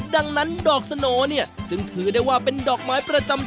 ดังนั้นดอกสโนเนี่ยจึงถือได้ว่าเป็นดอกไม้ประจำตัว